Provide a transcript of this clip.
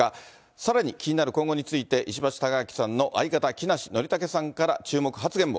さらに、気になる今後について、石橋貴明さんの相方、木梨憲武さんから注目発言も。